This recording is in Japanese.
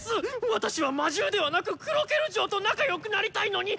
私は魔獣ではなくクロケル嬢と仲良くなりたいのに！